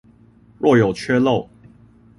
若有缺漏